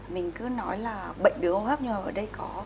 mình cứ nói là bệnh đường hô hấp nhưng mà ở đây có